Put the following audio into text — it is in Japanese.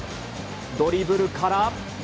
ドリブルから。